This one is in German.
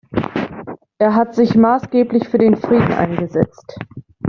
Er hat sich maßgeblich für den Frieden eingesetzt.